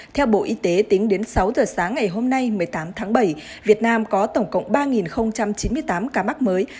theo bộ y tế tính đến sáu giờ sáng ngày hôm nay một mươi tám tháng bảy việt nam có tổng cộng ba chín mươi tám ca mắc mới